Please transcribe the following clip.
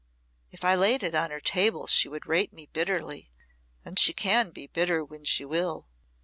If I laid it on her table she would rate me bitterly and she can be bitter when she will."